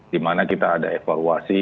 dimana kita ada evaluasi